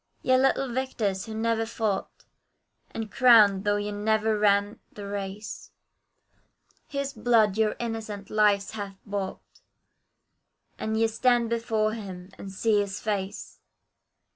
Yea, little victors, who never fought; And crowned, though ye never ran the race, His blood your innocent lives hath bought, And ye stand before Him and see His face!